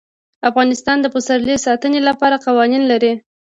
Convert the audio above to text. افغانستان د پسرلی د ساتنې لپاره قوانین لري.